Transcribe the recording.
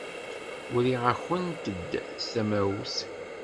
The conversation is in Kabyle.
Uriɣ-akent-d tamawt.